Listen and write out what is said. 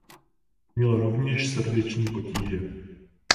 Měl rovněž srdeční potíže.